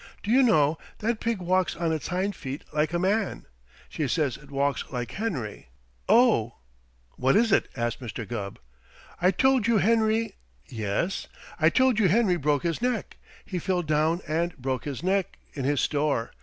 Do you know, that pig walks on its hind feet like a man? She says it walks like Henry.... Oh!" "What is it?" asked Mr. Gubb. "I told you Henry " "Yes?" "I told you Henry broke his neck. He fell down and broke his neck, in his store.